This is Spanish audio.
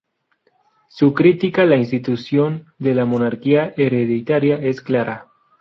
Su crítica a la institución de la monarquía hereditaria es clara.